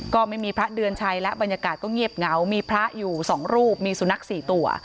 ก็ไม่มีพระเดือนชัยและบรรยากาศก็เงียบเหงามีพระอยู่๒รูปมีสุนัข๔ตัว